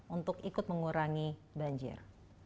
untuk ikut mengurangi banjir